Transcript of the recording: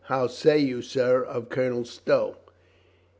"How say you, sir, of Colonel Stow?"